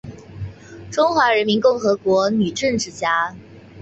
中华人民共和国女政治家。